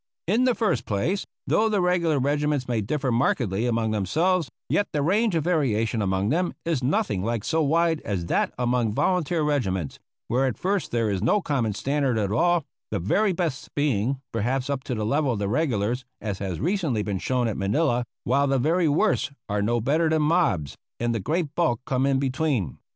In the first place, though the regular regiments may differ markedly among themselves, yet the range of variation among them is nothing like so wide as that among volunteer regiments, where at first there is no common standard at all; the very best being, perhaps, up to the level of the regulars (as has recently been shown at Manila), while the very worst are no better than mobs, and the great bulk come in between.